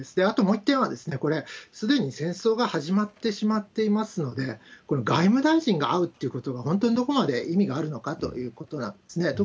あと、もう一点は、これ、すでに戦争が始まってしまっていますので、この外務大臣が会うってことが、本当にどこまで意味があるのかということなんですね。